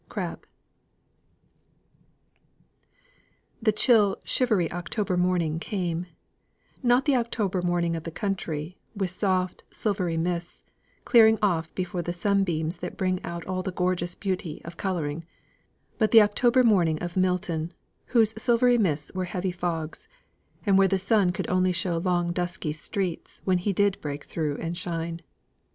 CRABBE. The chill, shivery October morning came; not the October morning of the country, with soft, silvery mists, clearing off before the sunbeams that bring out all the gorgeous beauty of colouring, but the October morning of Milton, whose silvery mists were heavy fogs, and where the sun could only show long dusky streets when he did break through and shine.